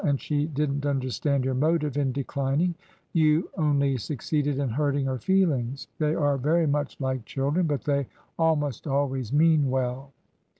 And she did n't understand your motive in declining. You only suc ceeded in hurting her feelings. They are very much like children, but they almost always mean well."